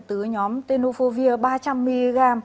từ nhóm tenofovir ba trăm linh mg